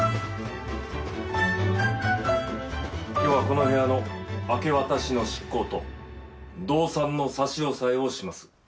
今日はこの部屋の明け渡しの執行と動産の差し押さえをします。